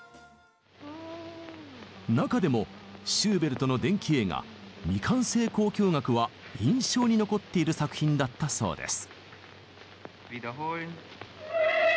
中でもシューベルトの伝記映画「未完成交響楽」は印象に残っている作品だったそうです。